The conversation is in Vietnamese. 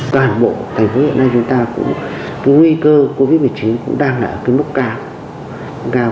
toàn bộ thành phố hiện nay chúng ta cũng cái nguy cơ covid một mươi chín cũng đang ở cái mức cao